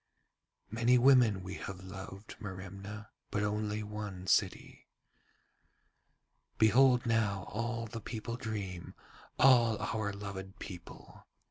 'Many women have we loved, Merimna, but only one city. 'Behold now all the people dream, all our loved people.